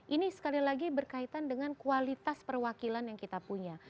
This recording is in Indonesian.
ini sekali lagi berkaitan dengan kualitas perwakilan yang kita punya